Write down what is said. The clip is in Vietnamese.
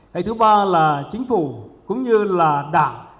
cái thứ ba là chính phủ cũng như là đảng